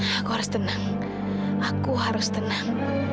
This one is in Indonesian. aku harus tenang aku harus tenang